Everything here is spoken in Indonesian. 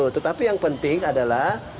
tetapi yang penting adalah